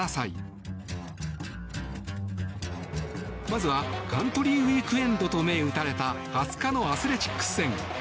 まずはカントリー・ウィークエンドと銘打たれた２０日のアスレチックス戦。